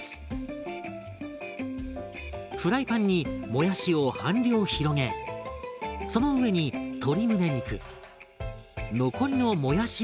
フライパンにもやしを半量広げその上に鶏むね肉残りのもやしをのせます。